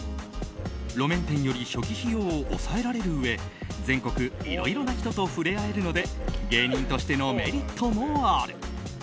路面店より初期費用を抑えられるうえ全国いろいろな人と触れ合えるので芸人としてのメリットもある。